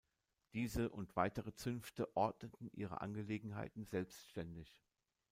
Diese und weitere Zünfte ordneten ihre Angelegenheiten selbstständig.